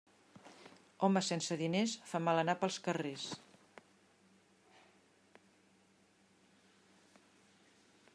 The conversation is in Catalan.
Home sense diners fa mal anar pels carrers.